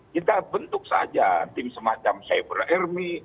kita bentuk saja tim semacam cyber army